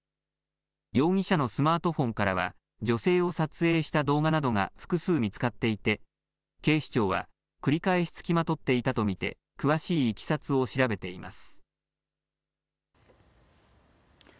容疑者のスマートフォンからは女性を撮影した動画などが複数見つかっていて警視庁は繰り返し付きまとっていたと見て詳しいいきさつを調べています。